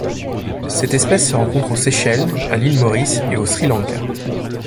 Cette espèce se rencontre aux Seychelles, à l'île Maurice et au Sri Lanka.